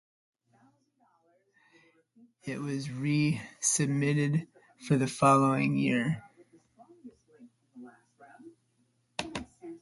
It was resubmitted for the following year.